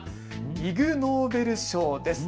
イグ・ノーベル賞です。